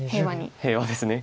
平和です。